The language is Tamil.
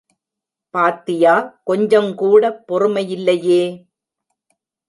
பாத்தியா கொஞ்சங்கூடப் பொறுமையில்லையே!